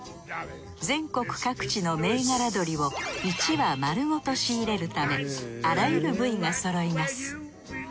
全国各地の銘柄鶏を１羽丸ごと仕入れるためあらゆる部位がそろいます。